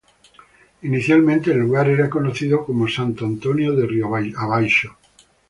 Inicialmente el lugar era conocido como Santo Antônio do Rio Abaixo.